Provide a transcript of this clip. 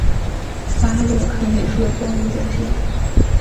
巴洛克美术的光影表现